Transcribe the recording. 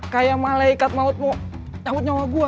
kayak malaikat maut mau tamut nyawa gue